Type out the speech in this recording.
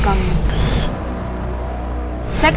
ataupun menjahatin kamu